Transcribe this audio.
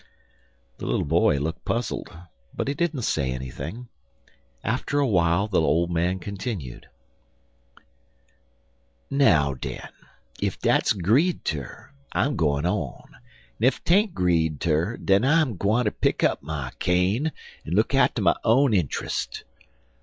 The little boy looked puzzled, but he didn't say anything. After a while the old man continued: "Now, den, ef dat's 'greed ter, I'm gwine on, en ef tain't 'greed ter, den I'm gwineter pick up my cane en look atter my own intrust.